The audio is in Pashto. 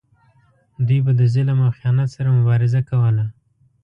دوی به د ظلم او خیانت سره مبارزه کوله.